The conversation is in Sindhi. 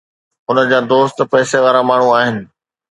هن جا دوست پئسي وارا ماڻهو آهن.